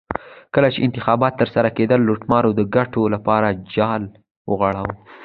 کله چې انتخابات ترسره کېدل لوټمارو د ګټو لپاره جال وغوړاوه.